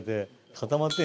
固まってる。